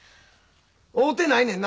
会うてないねんな？